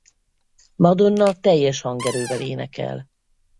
Madonna teljes hangerővel énekel.